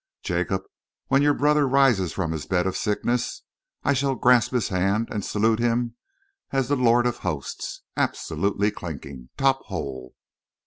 "Jacob, when your brother rises from his bed of sickness, I shall grasp his hand and salute him as the lord of hosts. Absolutely clinking! Tophole!"